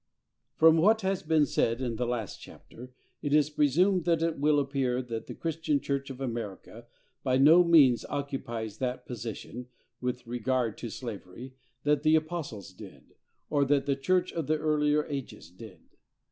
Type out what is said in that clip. From what has been said in the last chapter, it is presumed that it will appear that the Christian church of America by no means occupies that position, with regard to slavery, that the apostles did, or that the church of the earlier ages did.